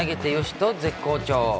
と絶好調。